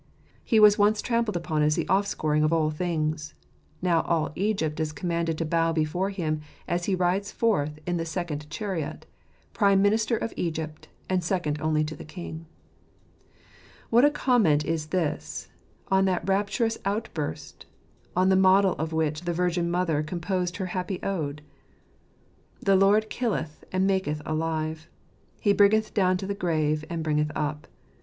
He was once trampled upon as the offscouring of all things; now all Egypt is commanded to bow before him, as he rides forth in the second chariot, prime minister of Egypt, and second only to the king. What a comment is this on that rap turous outburst, on the model of which the Virgin Mother composed her happy ode ! •'The Lord killeth, and maketh alive ; He bringeth down to the grave. And briugeth up.